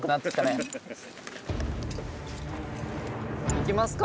行きますか。